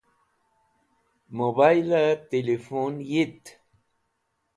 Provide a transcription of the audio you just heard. Mobile Tilifun Yit